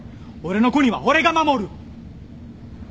俺の国は俺が守る！